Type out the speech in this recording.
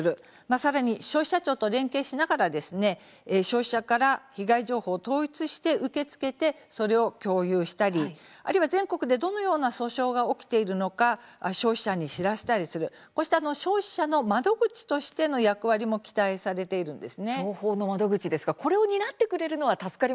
さらに消費者庁と連携しながら消費者から被害情報を統一して受け付けてそれを共有したりあるいは全国でどのような訴訟が起きているのか消費者に知らせたりする消費者の窓口として役割も期待されているんです。